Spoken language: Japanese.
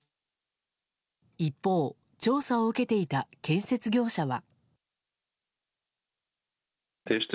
一方、調査を受けていた建設業者は。